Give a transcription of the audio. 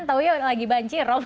tahu ya lagi banci rob